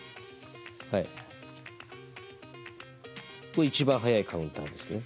これ一番速いカウンターですね。